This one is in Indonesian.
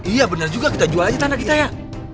iya benar juga kita jual aja tanah kita ya